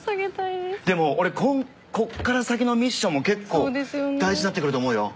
でもこっから先のミッションも結構大事になってくると思うよ。